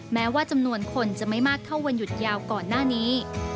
แม้ว่าจำนวนคนจะไม่มากเท่าวันหยุดยาวก่อนหน้านี้